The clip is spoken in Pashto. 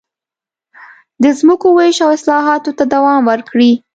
د ځمکو وېش او اصلاحاتو ته دوام ورکړي.